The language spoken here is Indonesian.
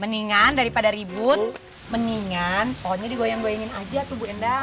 mendingan daripada ribut mendingan pokoknya digoyang goyangin saja tuh bu endang